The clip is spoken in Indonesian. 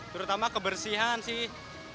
terutama kebersihan sih